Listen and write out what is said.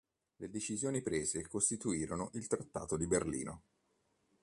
Le decisioni prese costituirono il Trattato di Berlino.